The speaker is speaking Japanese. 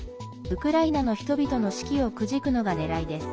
ウクライナの人々の士気をくじくのが狙いです。